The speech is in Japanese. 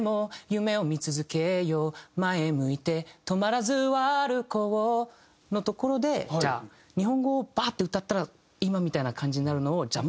「夢を見続けよう」「前向いて止まらず歩こう」のところでじゃあ日本語をバーッて歌ったら今みたいな感じになるのをじゃあ